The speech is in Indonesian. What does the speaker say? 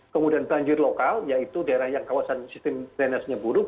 kemudian banjir lokal yaitu daerah yang kawasan sistem renasnya buruk